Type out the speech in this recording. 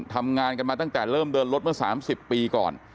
ทำงานกันมาตั้งแต่เริ่มเดินรถเมื่อ๓๐ปีก่อน